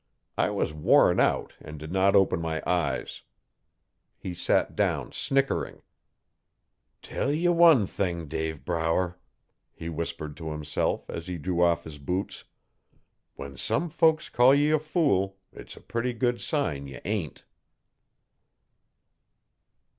I was worn out and did not open my eyes. He sat down snickering. 'Tell ye one thing, Dave Brower,' he whispered to himself as he drew off his boots, 'when some folks calls ye a fool 's a purty good sign ye ain't.'